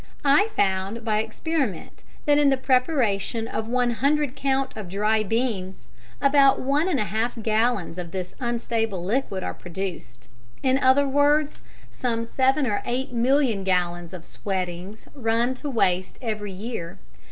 I found by experiment that in the preparation of one cwt. of dry beans about 1 1/2 gallons of this unstable liquid are produced. In other words, some seven or eight million gallons of "sweatings" run to waste every year.